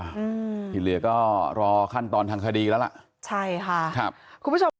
อืมที่เหลือก็รอขั้นตอนทางคดีแล้วล่ะใช่ค่ะครับคุณผู้ชม